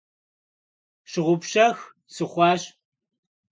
Щыгъупщэх сыхъуащ.